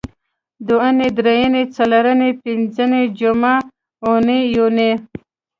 دونۍ درېنۍ څلرنۍ پینځنۍ جمعه اونۍ یونۍ